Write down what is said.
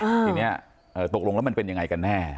ทีนี้ตกลงแล้วมันเป็นยังไงกันแน่